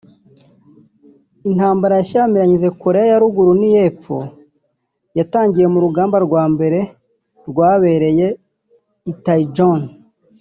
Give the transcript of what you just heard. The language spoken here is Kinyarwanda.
Intambara yashyamiranyije Koreya ya ruguru n’iy’epfo yaratangiye mu rugamba rwa mbere rwabereye I Taejon